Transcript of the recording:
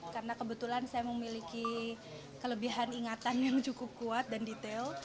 karena kebetulan saya memiliki kelebihan ingatan yang cukup kuat dan detail